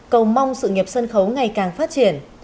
cầu mong sự nghiệp sân khấu ngày càng phát triển